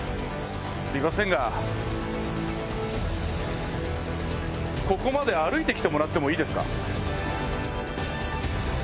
すいませんがここまで歩いて来てもらってもいいですか？